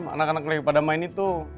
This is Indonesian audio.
anak anak lagi pada main itu